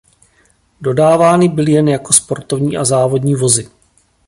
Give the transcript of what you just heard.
Dodávány byly jen jako sportovní a závodní vozy.